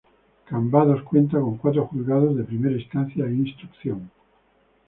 Cambados cuenta con cuatro Juzgados de Primera Instancia e Instrucción.